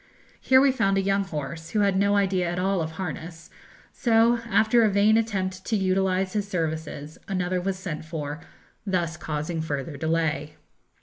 Here we found a young horse, who had no idea at all of harness; so after a vain attempt to utilise his services, another was sent for, thus causing further delay.